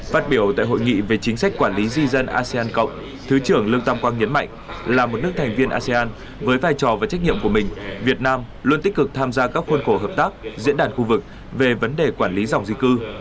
phát biểu tại hội nghị về chính sách quản lý di dân asean cộng thứ trưởng lương tam quang nhấn mạnh là một nước thành viên asean với vai trò và trách nhiệm của mình việt nam luôn tích cực tham gia các khuôn cổ hợp tác diễn đàn khu vực về vấn đề quản lý dòng di cư